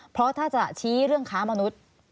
เพราะถ้าจะชี้เรื่องค้ามนุษย์